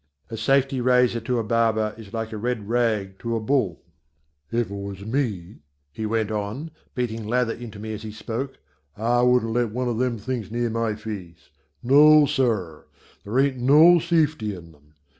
A safety razor to a barber is like a red rag to a bull. "If it was me," he went on, beating lather into me as he spoke, "I wouldn't let one of them things near my face: No, sir: There ain't no safety in them.